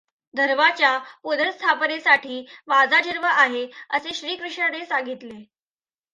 धर्माच्या पुनर्स्थापनेसाठी माझा जन्म आहे, असे श्रीकृष्णाने सांगितले.